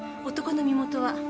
男の身元は？